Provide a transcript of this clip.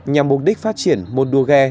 nhằm mục đích phát triển một đua ghe